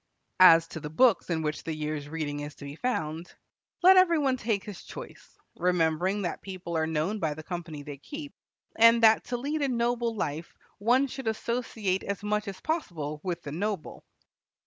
As to the books in which the year's reading is to be found, let every one take his choice, remembering that people are known by the company they keep, and that to lead a noble life one should associate as much as possible with the noble.